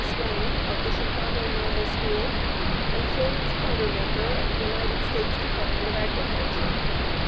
Swain, of the Chicago Normal School, and Florence Powdermaker, of the United States Department of Agriculture.